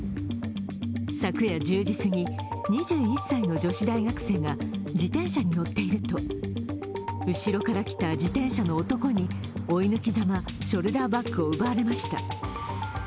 昨夜１０時すぎ、２１歳の女子大学生が自転車に乗っていると後ろから来た自転車の男に追い抜きざまショルダーバッグを奪われました。